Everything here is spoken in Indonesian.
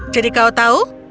jadi kau tahu